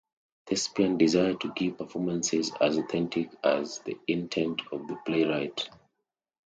Thespian desire to give performances as authentic as the intent of the playwright